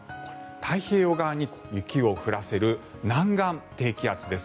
太平洋側に雪を降らせる南岸低気圧です。